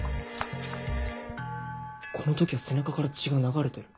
この時は背中から血が流れてる。